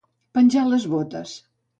Penjar les botes.